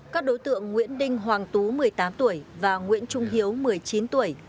các đối tượng nguyễn đinh hoàng tú một mươi tám tuổi và nguyễn trung hiếu một mươi chín tuổi